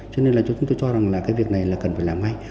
cho nên là chúng tôi cho rằng là cái việc này là cần phải làm ngay